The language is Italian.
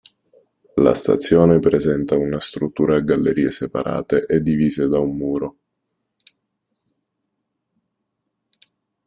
La stazione presenta una struttura a gallerie separate e divise da un muro.